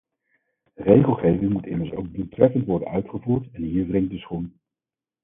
Regelgeving moet immers ook doeltreffend worden uitgevoerd, en hier wringt de schoen.